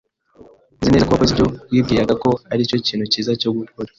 Nzi neza ko wakoze ibyo wibwiraga ko aricyo kintu cyiza cyo gukora.